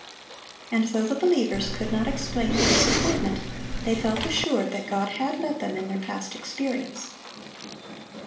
And though the believers could not explain their disappointment, they felt assured that God had led them in their past experience.